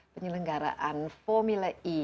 penyelenggaraan formula e